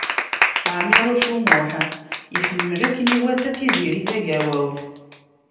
Ɛmiṛuc U Muḥ iḥemmel akken iwata Tiziri Tagawawt.